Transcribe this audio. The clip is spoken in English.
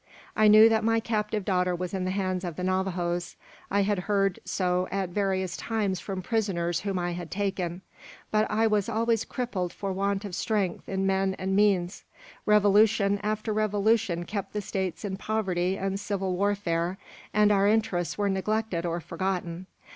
"I knew that my captive daughter was in the hands of the Navajoes. I had heard so at various times from prisoners whom I had taken; but I was always crippled for want of strength in men and means. Revolution after revolution kept the states in poverty and civil warfare, and our interests were neglected or forgotten.